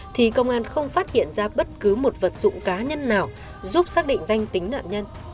thì công an không phát hiện ra bất cứ một vật dụng cá nhân nào giúp xác định danh tính nạn nhân